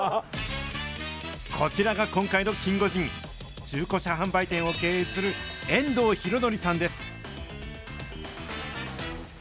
こちらが今回のキンゴジン、中古車販売店を経営する遠藤弘教さんです。